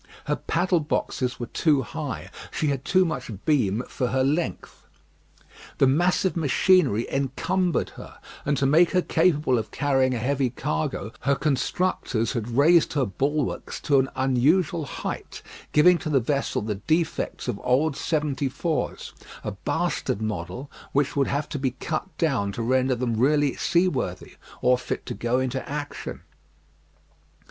Her paddle boxes were too high. She had too much beam for her length. The massive machinery encumbered her, and to make her capable of carrying a heavy cargo, her constructors had raised her bulwarks to an unusual height, giving to the vessel the defects of old seventy fours, a bastard model which would have to be cut down to render them really seaworthy, or fit to go into action.